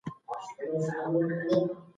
دا یوه کلاسیکه او مهمه څیړنه وه.